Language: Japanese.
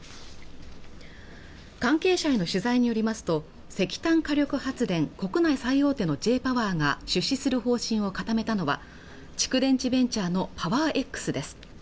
関係者への取材によりますと石炭火力発電国内最大手のＪ−ＰＯＷＥＲが出資する方針を固めたのは蓄電池ベンチャーのパワーエックスです